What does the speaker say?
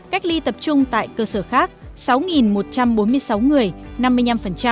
cách ly tập trung tại cơ sở khác sáu một trăm bốn mươi sáu người